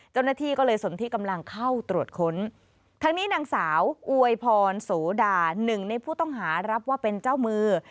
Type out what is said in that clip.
เจ้าหน้าที่ก็เลยสนที่กำลังเข้าตรวจค้นทั้งนี้นางสาวอวยพรโสดาหนึ่งในผู้ต้องหารับว่าเป็นเจ้ามือ